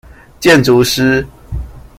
建築師